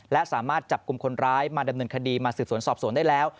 และสามารถจับกลุ่มคนร้ายมาดำเนินคดีมาสืบสวนสอบสวนได้แล้ว